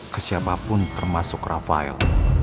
ke siapapun termasuk rafael